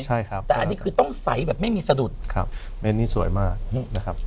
ใช่ครับแต่อันนี้คือต้องใสแบบไม่มีสะดุดครับเม้นนี้สวยมากนะครับ